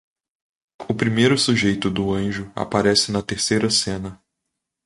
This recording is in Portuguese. O primeiro sujeito do anjo aparece na terceira cena.